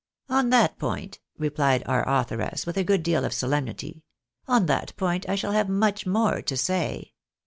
" On that point," replied our authoress, with a good deal of solemnity, " on that point I shall have much more to say.